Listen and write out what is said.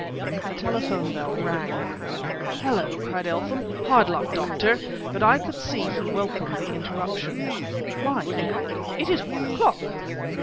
The telephone bell rang. "Hullo!" cried Eltham "hard luck, Doctor!" but I could see that he welcomed the interruption. "Why!" he added, "it is one o'clock!"